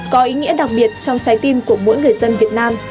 có ý nghĩa đặc biệt trong trái tim của mỗi người dân việt nam